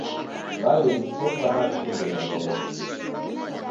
W'alimu efwana w'ikumbilo ngolo.